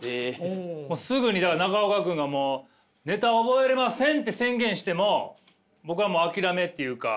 もうすぐにだから中岡君が「ネタ覚えれません！」って宣言しても僕はもう諦めっていうか。